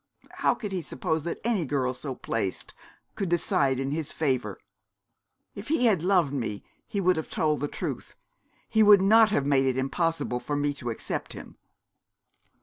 How could he suppose that any girl, so placed, could decide in his favour? If he had loved me he would have told me the truth he would not have made it impossible for me to accept him.'